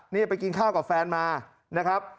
นี่ไปกินข้าวกับแฟนมานะครับ